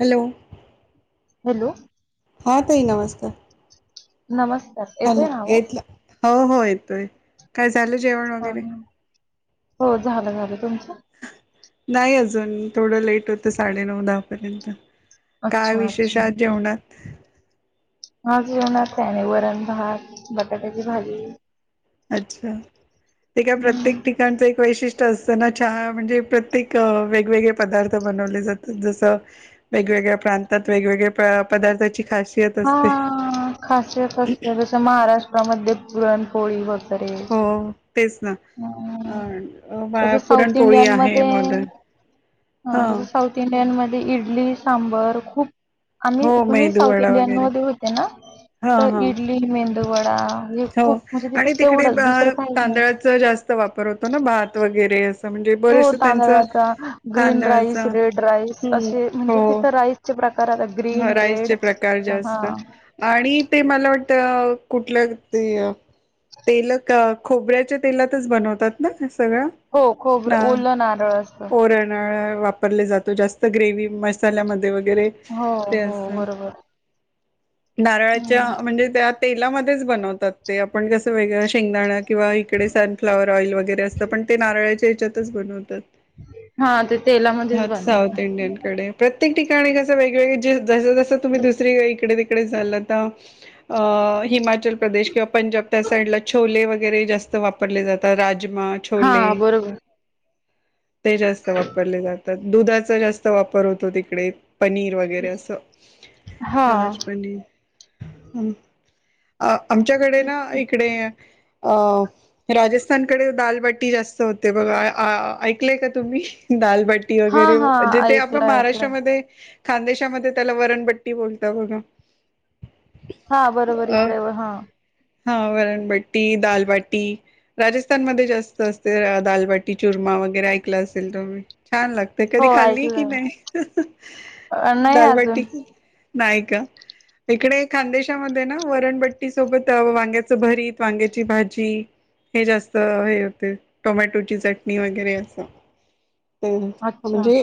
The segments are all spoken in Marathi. हॅलो! हॅलो! हा ताई नमस्कार नमस्कार येतोय ना आवाज? येत हो हो येतोय काय जेवण हा वगैरे हा. हो झालं झालं तुमचं? नाही अजून थोडं लेट होतं साडेनऊ दहा पर्यंत काय अच्छा विशेष हाय जेवणात हा जेवना त्याने वरण, भात, बटाट्याची भाजी. अच्छा ते काय हम्म. प्रत्येक ठिकाणच एक वैशिष्ट्य अस म्हणजे प्रत्येक वेगवेगळे पदार्थ बनवले जातात जस वेगवेग प्रांतात वेगवेगळे पदार्थ हा खासियत असते जस महाराष्ट्रामध्ये पुरणपोळी होते हो. तेच ना हम्म. अ तसं साऊथ पुरणपोळी आहे इंडियनमध्ये मदर हा तसं साऊथ इंडियन मध्ये इडली, सांबर खूप आम्ही हो तुम्ही मेदू साऊथ वडा इंडियन वगैरे मध्ये होते ना हा तर हा इडली, मेंदूवडा हे हो खूप म्हणजे आणि तिथं तिकडे तेवढंच दुसरं अ काही नाही तांदळाचा जास्त वापर होतो ना भात वगैरे अस म्हणजे हो बरेच त्यांच तांदळाचा ग्रीन तांदळाच राईस, रेड राईस असे म्हणजे हो तिथं राईसचे प्रकार आता ग्रीन, रेड राईसचे प्रकार हा जास्त आणि ते मला वाट तर कुठल्या तेल खोबऱ्याच्या तेलातच बनवतात हो खोबर ना ओलं नारळ असतं. [inaudible] वापरले जातो जास्त ग्रेवी मसाल्यामध्ये वगैरे हो ते हो असतं बरोबर. नारळाच्या हम्म. म्हणजे त्यात तेलामध्येच बनवतात ते आपण कसं वेगळं शेंगदाणा किंवा इकडे सनफ्लावर ऑइल वगैरे असतं प- ते नारळच्या याच्यातच बनवतात. हा ते तेलामध्येच ह बनवता. साऊथ इंडियन कडे प्रत्येक ठिका ते आणि कसं वेगवेगळी जस जसं तुम्ही दुसरी इडे तिकडे झालं तर अ हिमाचल प्रदेश किंवा पंजाब त्या साईडला छोले वगैरे जास्त वापरले जातात. रा राजमा हा छोले बरोबर. ते जास्त वापरले जातात. दुधाचा जास्त वापर होतो तिकडे. पनीर वगैरे अस हा [inaudible] आमच्याकडे ना इकडे अ राजस्थानकडे दालबाटी जास्त होते बघ का तुम्ही दालबाटी हा वगैरे हा जथे आप ऐकलं ऐकलं महाराष्ट्रामध्ये खानदेशामध्ये त्याला वरणपट्टी बोलता बघा. हा बरोबर अ इतडे हा हा वरणबट्टी दालबाटी राजस्थानमध्ये जास्त असते दालबाटी चुरमा वगरे ऐकलं असेल तुम्ही छान लागतेय हो कधी खाल्ली की ऐकलंय नाही अ, नाही अजून. दालबाटी नाहीय का इकडे खानदेशामध्ये ना वरणबट्टी सोबत वांग्याचं भरीत वांग्याची भाजी हे जास्त हे होते टोमॅटोची चटणी वगैरे असं अच्छा. म्हणजे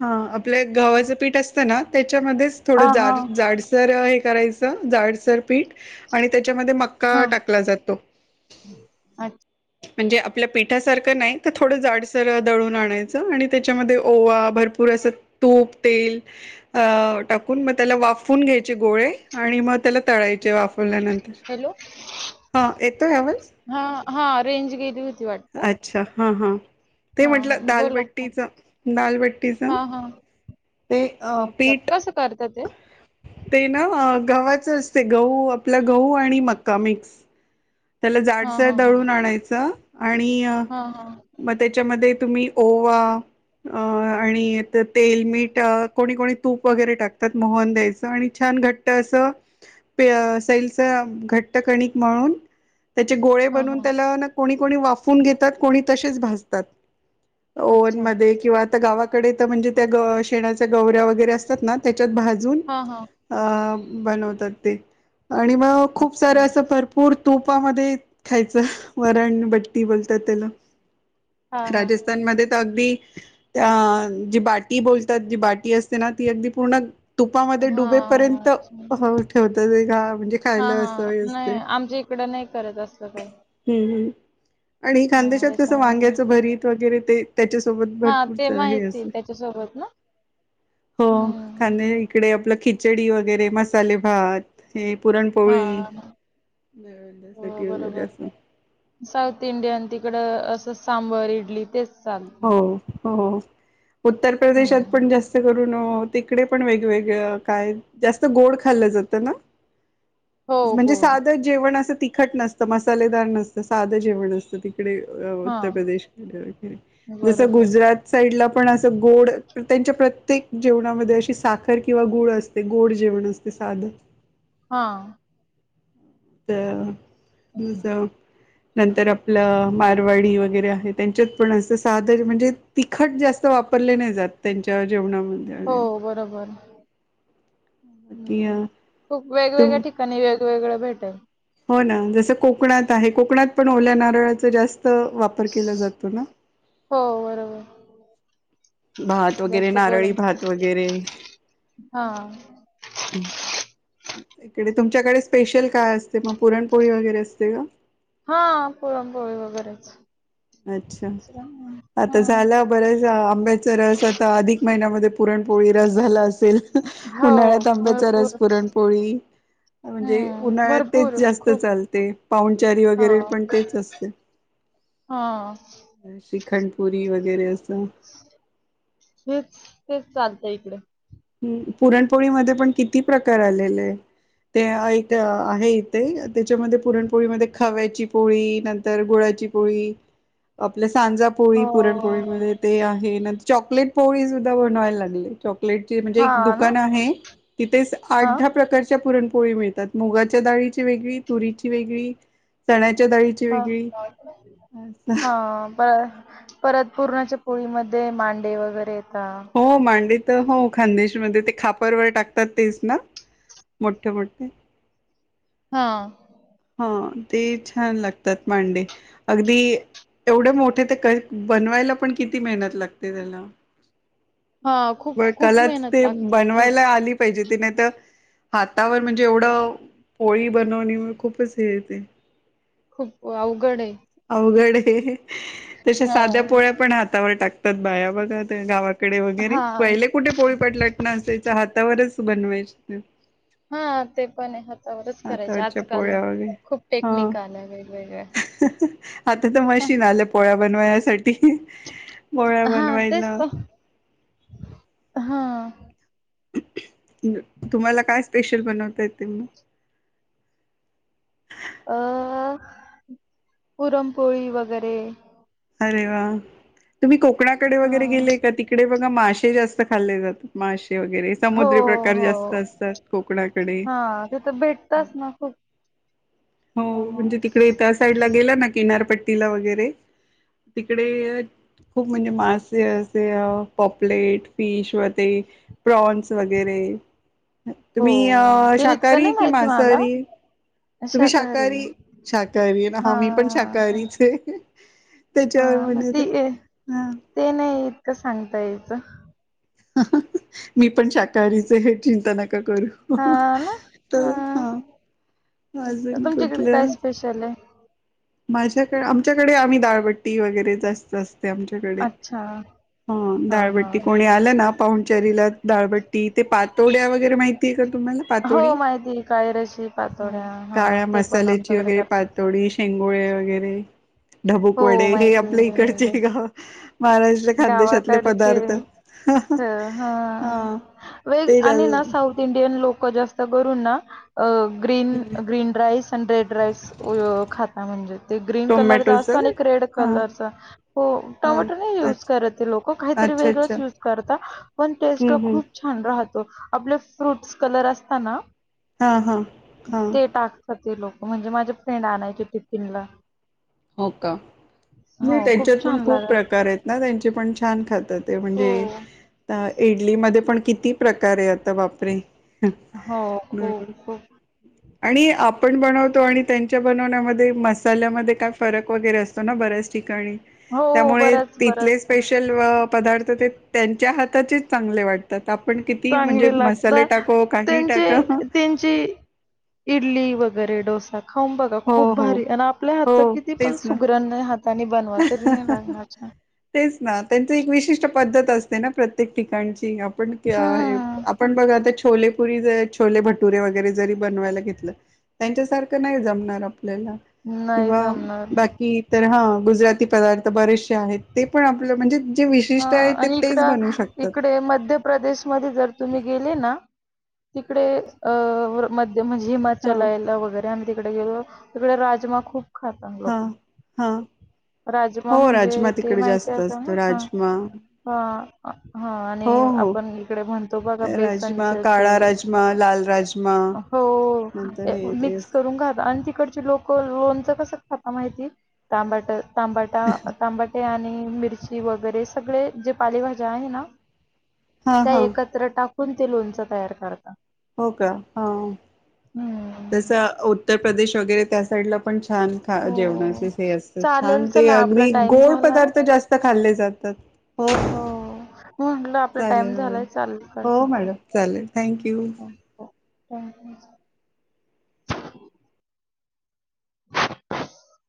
हा आपल्या गव्हाचं पीठ असत ना. त्याच्या मध्ये हा थोडं हा. जाड जाडसर हे करायचं. जाडसर पीठ आणि त्याच्यामध्ये मक्का हा टाकला जातो अच्छा म्हणजे आपल्या पिठासारखं नाही तर थोडं जाडसर दळून आणायचं आणि त्याच्यामध्ये ओवा भरपूर थोरंसं तूप तेल अ टाकून मग त्याला वाफून घ्यायचे गोळे आणि मग त्याला तळायचे वाफ खोलल्यानंतर हॅलो हा येतो यावस हा हा रेंज गेली होती वाटतं. अच्छा हा हा ते हा हा म्हटलं बोला दालबट्टीच दालबट्टीच हा हा. ते अ अच्छा पीठ कसं करता ते? ते ना गवाच. गहू आपला गहू आणि मका मिक्स. त्याला हां, जाडसर हां, हां. दळून आणायचं आणि हां, हां. मग त्याच्यामध्ये तुम्ही ओवा अ आणि तेल, मीठ कोणी कोणी तूप वगैरे टाकतात मोहन द्यायचं आणि छान घट अस सैलच घट्ट कणिक मळून त्याचे गोळे हां, बनून हां. त्याला ना कोणी कोणी वाफून ओवन अच्छा. मध्ये किंवा आता गावाकडे तर म्हणजे त्या शेणाच्या गवऱ्या वगैरे असतात ना त्या त्याच्यात भाजून हां, हां. अ बनवतात ते. आणि मग खूप सारं अच्छा. असं भरपूर तूपामध्ये खायचं, वरण बट्टी बोलतात त्याला. हां, हां. राजस्थान मध्ये तर अगदी त्या जी बाटी बोलतात, जी बाटी असते ना ती अगदी पूर्ण तुपामध्ये हां, डुबेपर्यंत अच्छा. ठेवत, ते का म्हणजे हां, खायला हां. असं नाही असते. आमच्या इकडं नाही करत असत काही. हम्म हम्म आणि हां, खांदेशात कसं वांग्याचं त्याच्यामुळे भरीत वगैरे ते त्याच्यासोबत हां, ते भरपूरच हे माहिती असे त्याच्यासोबत ना? हो. हं. कणी इकडे आपलं कि खिचडी वगैरे मसाले भात हे हां, पुरणपोळी. हां. हो साठी वगैरे बरोबर. असं साऊथ इंडि तिकड अस सांबर इडली ते हो हो. उत्तर प्रदेशात पण हं. जास्त करून हो. तिकडे पण वेगवेगळं काय जास्त गोड खाल्लं जातं ना? हो, म्हणजे गोड. साधं जेवण असं तिखट नसतं, मसालेदार नसतं, साधं जेवण असतं ति इकडे उत्तर हां, प्रदेश जस बरोबर. गुजरात साईड ला पण असं गोड त्यांच्या प्रत्येक जेवणामध्ये अशी साखर किंवा गुळ असते गोड जेवण असते. सा [unintelligible] हा. तर मी स नंतर आपलं मारवाडी वगैरे आहे, त्यांच्यात पण अस साध म्हणजे तिखट जास्त वापर वापरले नाही जात त्यांच्या जेवणा हो बरोबर. बाकी हम्म. खूप वेगवेगळ्या तुम ठिकाणी वेगवेगळं भेटल. हो ना. जसं कोकणात आहे, कोकणात पण ओल्या नारळाचं जास त वापर केला जातो ना? हो बरोबर. भात वगैरे जास्त करून नारळी भात वगैरे. हां. इकडे तुमच्याकडे स्पेशल काय असते मग पुरणपोळी वगैरे असते का? हा पोळम पोळी वगैरेच. अच्छा. दुसरं नाही. आता हां. झाला बरस आंबेच्यारस आता अधिक महिन्यामध्ये पुरणपोळी रस झाला असेल, हो, उन्हाळ्यात आंब्याचा रस भरपूर पुरणपोळी म्हणजे हं. उन्हाळ्यात तेच भरपूर जास्त खूप चालते, पाऊंचारी वगैरे पण तेच असते. हा. श्रीखंडपुरी वगैरे अस हेच तेच चालतं इकडे. हम्म पुरणपोळीमध्ये पण किती प्रकार आलेले ते एक आहे इथे त्याच्यामध्ये पुरणपोळीमध्ये खव्याची पोळी नंतर गुळा ची पोळी, आपल्या सांजा पोळी हो. पुरणपोळीमध्ये ते आहे नंतर चॉकलेट पोळी सुद्धा बनवायला लागले चॉकलेट चे म्हणजे एक हां ना? दुकान आहे तिथेच आठ हां, दहा प्रकारच्या पुरण पोळी मिळतात. मुगाच्या डाळीची वेगळी, तुरीची वेगळी, चण्याची हा हा बरं परत पुरणाच्या पोळीमध्ये मांडे वगैरे येतात. हो मांडीत तर हो खानदेशमध्ये ते खापरवर टाकतात तेच ना, मोठे मोठे हा. हा ते छान लागतात मांडे. अगदी एवढे मोठे ते बनवायला पण किती मेहनत लागते त्याला हां. खूप पण खूप कलाच मेहनत ते लागते खूप. बनवायला आली पाहिजेते नाही तर हातावर म्हणजे एवढ पोळी बनवणे खूप येते खूप अवघड आहे अवघड आहे, तस साध्या पोळ्या हां. पण हातावर टाकतात बाया बघा गावात कडे वगैरे हां. पहिले कुठे पोळी पोळपाट लाटणं असायच हातावरच बनवायचे हा ते पण आहे हातावरच करायचे हातावरच्या आजकाल पोळ्या वगैरे खूप हा टेक्निक आलंय वेगवेगळ आता तर मशीन आलं पोळ्या बनवण्यासाठी पोळ्या बनवयला हा. तुम्हाला काय स्पेशल बनवता येते मग? अह पुरमपोळी वगैरे अरे वा! तुम्ही कोकणाकडे वगैरे हां. गेले का, तिकडे बघा मासेे जास्त खाल्ले जातात मासे वगैरे हो, समुद्र प्रकार हो. जास्त असतात कोकणाकडे हां, तिथं भेटताच ना खूप हो त्यामुळं. म्हणजे तिकडे त्या साईड ला गेला ना किनारपट्टीला वगैरे तिकडे खूप म्हणजे मासे असे पॉपलेट फिश व ते प्रॉन्स वगैरे हो, तुम्ही अह ते इतकं शाकाहारी नाही कि माहिती मला. मांसाहारी? तुम्ही शाकाहारी शाकाहारी आहे ना. हा मी पण शाकाहारीच आहे हा त्याच्यावर मग म्हण ते हा ते नाही इतक सांगता याचं मी पण शाकाहारीच आहे चिंता न नका करू हां ना? तर हां. हा अजून तुमच्याकडे कुठल्या काय स्पेशल आहे? माझ्याकडे आमच्याकडे आम्ही दाळबट्टी वगैरे जास्त असते आमच्याकडे अच्छा हा, डाळबट्टी कोणी आलं ना पाहुणचारीला डाळबट्टी ते पातोड्या वगैरे माहितीय का तुम्हाला हो पातोडी माहिती आहे, काळीराशी पातोड्या हा काळया ते पण मसाल्याची आमच्याकडे वगैरे करतात. पातोडी शेंग शेंगोळे वगैरे. ढबुक वडे हो हे माहिती आपल्या इकडचे मिळाली का महाराष्ट्र खानदेशातले पदार्थ ह हा वेग ते आणि ना साऊथ इंडियन लोक जास्त त करून ना अह ग्रीन ग्रीन राईस आणि रेड राईस खाता म्हणजे ते ग्रीन कलर जा टोमॅटोच आणि एक रेड हा कलरचा, हो हा टोमॅटो नाही अच्छा युज करत लोक काहीतरी अच्छा अच्छा वेगळंच युज करता पण टेस्ट हम्म हम्म खूप छान राहतो आपले फ्रूटस कलर असताना हा हा हा ते टाकतात ते लोक म्हणजे माझे फ्रेंड आणायचे टिफीनला हो का नाही त्यांच्यात पण छान खूप लागायच प्रकार आहेत ना त्यांचे पण छान खात हो म्हणजे आता इडली मधे पण किती प्रकार बापरे, ! हो बरोबर, खूप खूप आणि, आपण बनवतो आणि त्यांच्या बनवण्यामध्ये, मसाल्यामध्ये कायऽऽ फरक वगैरे असतो ना बऱ्याच ठिकाणी. हो त्यामुळे बरंच तिथले बरंच स्पेशल अं ऽपदार्थ त्यांच्या हऽऽ आित चांगले वाटतात, किती म्हणजे चांगले लागत,, मसाले टाको काही त्यांचे, टाका त्यांची इडली वगैरऽऽ गरे डोसा खाऊन बघा, हो खूप हो भारी, आणी आपल्या हातचा किती पण सुगरण हातानेऽऽ हंस-हंस,,, तेच ना त्यांच एक विशिष्ट पद्धत असतेऽऽ प्रत्येक ठिकाणची,, आपण हे हम्म बगा आता, छोलेपुरी,, ज छोले भटुरे वगैरे जरी बनवायला घेतलं,,, त्यांच्यासारखं नाही जमणार आपल्याला,, नाही किंवा जमणार बाकी ईतर हां, गुजराती पदार्थऽऽ बरेचशसे आहेत ते पण आपलं म्हणजेऽऽ ह, आणि इकड, इकडे मध्य प्रदेशमध्ये जर तुम्ही गेले नाऽऽ तिकडे, अ मध्य म्हणजे हा हिमाचलयला वगैरे आणिऽऽ तिकडे गेलो, तिकडे राजमा खूपऽ खातान हा लोक, हा राजमा हो म्हणजे राजमा ते तिकडे माहिती जास्त असेल ना असतो हा राजमा हा, हा, हो आणि हो आपण इकडे म्हणतो बघ बेसनच राजमा काळा तेऽऽ राजमा लाल राजमा नंतर होऽऽ हे ते मिक्स असत करून घात आणि तिकडचे लोक लोणचंऽऽ कस खातात माहितय तबाट, तांबाटे, आणि मिरची वगैरेऽऽ सगळे जे पालेभाज्या आहे ना,, हा त्या हा एकत्र टाकऽऽ कूण ते लोणच तयार करतऽ हो का, हा, हम्म तसं उत्तर प्रदेश वगैरे त्या साईडलाऽऽ पण छान खा हो. जेवणाचे हे असत चालेल छान ते चला आपला अगदी टाइम गोड झालाय. पदार्थ जास्त खाल्लेऽऽ जातात. हो, हो आपला टाइम चालेल मॅडम झालाय, चालतय, हो मॅडम चालेल थँक्यू हो, [unintelligible]